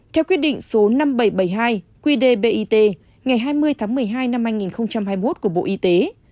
theo quyết định số năm nghìn bảy trăm bảy mươi hai qdbit ngày hai mươi tháng một mươi hai năm hai nghìn hai mươi một của bộ y tế